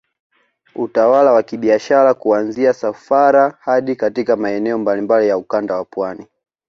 Utawala wa kibiashara kuanzia Sofara hadi katika maeneo mbalimbali ya Ukanda wa Pwani